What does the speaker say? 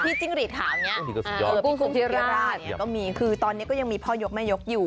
พี่จิ้งหรีดข่าวอย่างเนี่ยกว่าพี่กุ้งศุกราชก็มีคือตอนนี้ก็ยังมีพ่อยกแม่ยกอยู่